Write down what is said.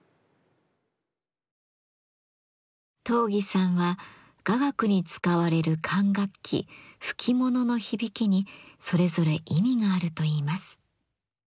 東儀さんは雅楽に使われる管楽器「吹きもの」の響きにそれぞれ意味があるといいます。